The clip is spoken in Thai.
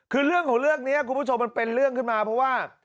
คือเรื่องของเรื่องนี้คุณผู้ชมมันเป็นเรื่องขึ้นมาเพราะว่า